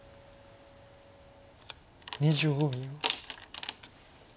２５秒。